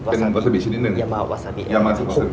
เป็นวาซาบี้ชีวิตนิดนึง